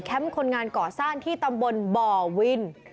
แคมป์คนงานเกาะซ่านที่ตำบลบ่อวิน